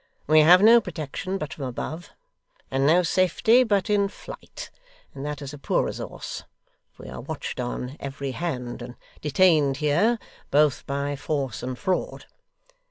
We have no protection but from above, and no safety but in flight; and that is a poor resource; for we are watched on every hand, and detained here, both by force and fraud.